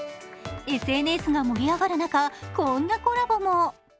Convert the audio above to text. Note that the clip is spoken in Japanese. ＳＮＳが盛り上がる中こんなコラボも。